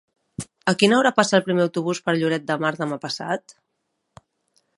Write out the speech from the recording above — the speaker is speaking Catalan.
A quina hora passa el primer autobús per Lloret de Mar demà passat?